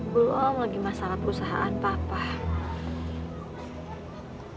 tidak ada masalah perusahaan bapak